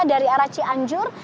dari arah cianjur